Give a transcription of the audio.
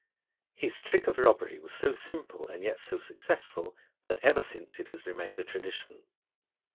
His trick of robbery was so simple and yet so successful, that ever since it has remained a tradition.